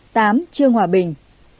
tám trương hòa bình